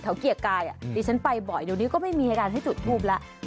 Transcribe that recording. เกียรติกายดิฉันไปบ่อยเดี๋ยวนี้ก็ไม่มีอาการให้จุดทูปแล้ว